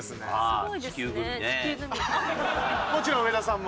もちろん上田さんも？